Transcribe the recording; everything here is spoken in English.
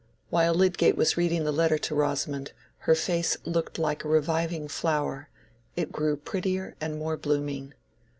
While Lydgate was reading the letter to Rosamond, her face looked like a reviving flower—it grew prettier and more blooming.